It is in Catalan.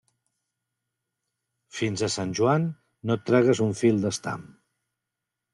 Fins a Sant Joan no et tragues un fil d'estam.